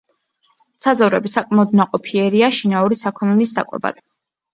საძოვრები საკმაოდ ნაყოფიერია შინაური საქონლის საკვებად.